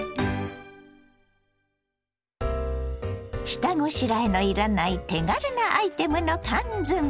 下ごしらえのいらない手軽なアイテムの缶詰。